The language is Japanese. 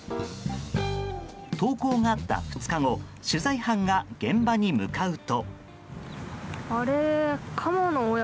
投稿があった２日後取材班が現場に向かうと。